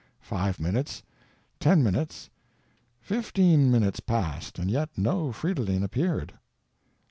Five minutes, ten minutes, fifteen minutes passed, and yet no Fridolin appeared.